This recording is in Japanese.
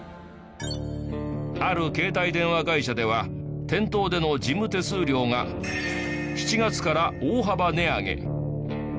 ある携帯電話会社では店頭での事務手数料が７月から大幅値上げ。